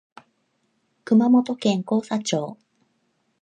熊本県甲佐町